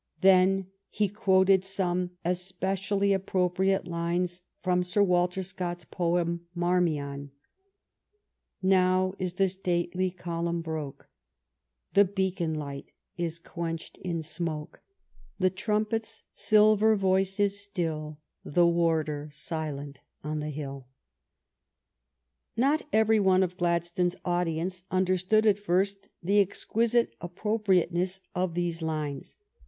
Then he quoted some especially appropriate lines from Sir Walter Scott's poem, " Marmion ": Now is the stately column broke ; The beacon light is quenched in smoke; The trumpet's silver voice is still; The warder silent on the hill. Not every one of Gladstone's audience under stood at first the exquisite appropriateness of these lines.